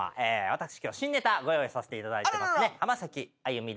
私今日新ネタご用意させていただいてます。